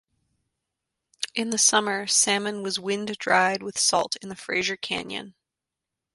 In the summer salmon was wind dried with salt in the Fraser Canyon.